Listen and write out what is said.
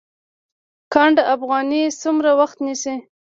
ګنډ افغاني څومره وخت نیسي؟